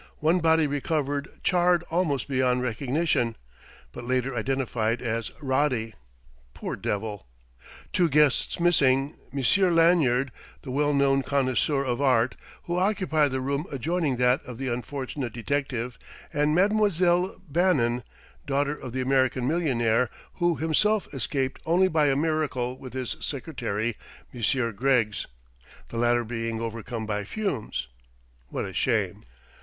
one body recovered charred almost beyond recognition_' but later identified as Roddy poor devil! ... '_Two guests missing, Monsieur Lanyard, the well known connoisseur of art, who occupied the room adjoining that of the unfortunate detective, and Mademoiselle Bannon, daughter of the American millionaire, who himself escaped only by a miracle with his secretary Monsieur Greggs, the latter being overcome by fumes_' what a shame!...